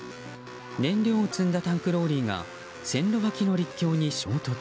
燃料を積んだタンクローリーが線路脇の陸橋に衝突。